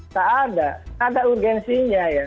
tak ada tak ada urgensinya ya